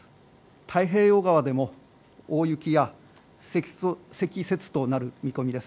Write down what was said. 太平洋側でも大雪や積雪となる見込みです。